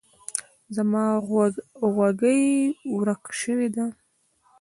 زما غوږۍ ورک شوی ده.